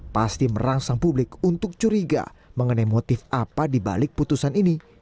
pasti merangsang publik untuk curiga mengenai motif apa dibalik putusan ini